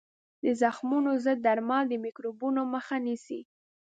د زخمونو ضد درمل د میکروبونو مخه نیسي.